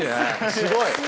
すごい！